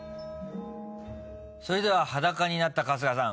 それでは裸になった春日さん